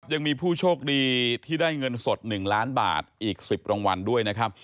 ยังมีผู้โชคดีที่ได้เงินสด๑ล้านบาทอีก๑๐รางวัลด้วยนะครับ